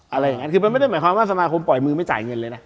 อะไรอย่างนั้นคือมันไม่ได้หมายความว่าสมาคมปล่อยมือไม่จ่ายเงินเลยนะ